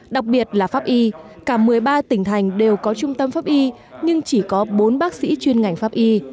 đặc biệt là pháp y cả một mươi ba tỉnh thành đều có trung tâm pháp y nhưng chỉ có bốn bác sĩ chuyên ngành pháp y